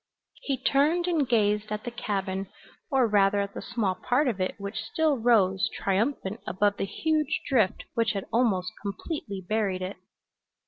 He turned and gazed at the cabin, or rather at the small part of it which still rose triumphant above the huge drift which had almost completely buried it.